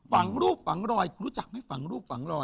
ฝังรูปฝังรอยคุณรู้จักไหมฝังรูปฝังรอย